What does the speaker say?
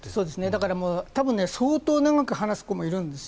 だから多分、相当長く話す子もいるんです。